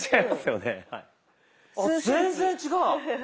全然違う！